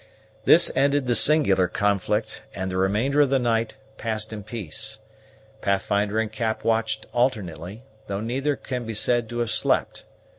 This ended the singular conflict; and the remainder of the night passed in peace. Pathfinder and Cap watched alternately, though neither can be said to have slept.